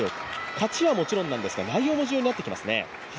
勝ちはもちろんですが、内容も重要になってきますね。